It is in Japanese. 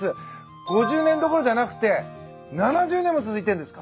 ５０年どころじゃなくて７０年も続いてるんですか？